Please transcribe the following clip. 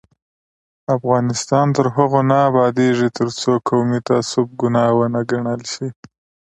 افغانستان تر هغو نه ابادیږي، ترڅو قومي تعصب ګناه ونه ګڼل شي.